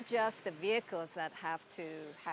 bukan hanya perusahaan yang